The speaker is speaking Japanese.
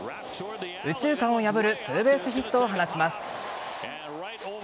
右中間を破るツーベースヒットを放ちます。